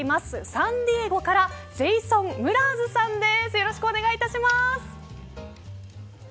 サンディエゴからジェイソン・ムラーズさんです。